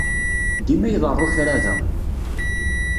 Dima iḍerru kra da.